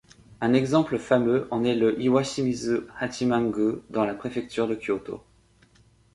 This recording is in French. Un exemple fameux en est le Iwashimizu Hachiman-gū dans la préfecture de Kyoto.